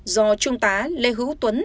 do trung tá lê hữu tuấn